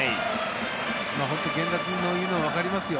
源田君が言うのわかりますよ。